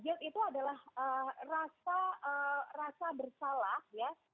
gate itu adalah rasa bersalah ya